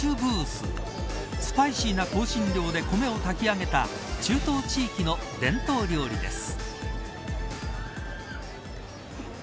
スパイシーな香辛料で米を炊き上げた中東地域の伝統料理です。